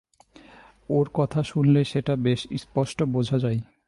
ওঁর কথা শুনলেই সেটা বেশ স্পষ্ট বোঝা যায়।